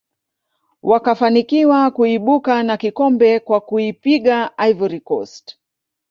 wakafanikiwa kuibuka na kikombe kwa kuipiga ivory coast